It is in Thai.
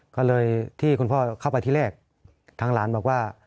ก็เลยที่คุณพ่อเข้าไปที่แรกทางหลานบอกว่า